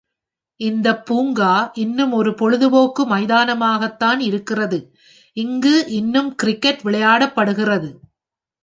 இந்தப் பூங்கா இன்னும் ஒரு பொழுதுபோக்கு மைதானமாகத் தான் இருக்கிறது, இங்கு இன்னும் கிரிக்கெட் விளையாடப்படுகிறது.